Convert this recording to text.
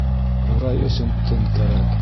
Ҡурай өсөн тын кәрәк